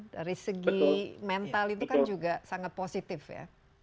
dari segi mental itu kan juga sangat positif ya